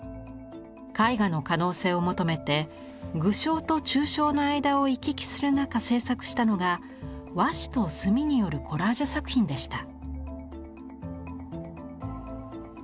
絵画の可能性を求めて具象と抽象の間を行き来する中制作したのが和紙と墨によるコラージュ作品でした。